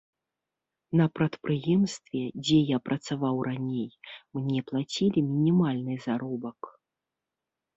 На прадпрыемстве, дзе я працаваў раней, мне плацілі мінімальны заробак.